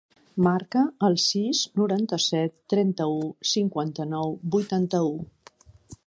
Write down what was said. Marca el sis, noranta-set, trenta-u, cinquanta-nou, vuitanta-u.